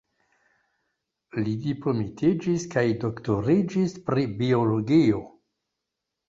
Li diplomitiĝis kaj doktoriĝis pri biologio.